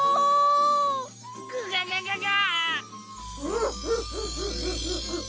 ムフフフ。